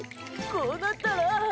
こうなったら。